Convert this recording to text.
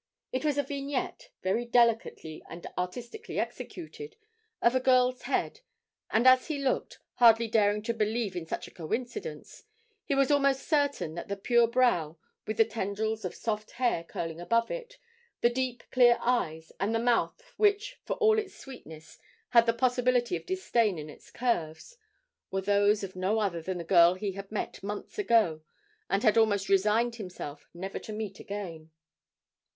It was a vignette, very delicately and artistically executed, of a girl's head, and as he looked, hardly daring to believe in such a coincidence, he was almost certain that the pure brow, with the tendrils of soft hair curling above it, the deep clear eyes, and the mouth which for all its sweetness had the possibility of disdain in its curves, were those of no other than the girl he had met months ago, and had almost resigned himself never to meet again.